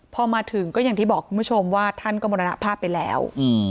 พอมาถึงก็อย่างที่บอกคุณผู้ชมว่าท่านก็มรณภาพไปแล้ว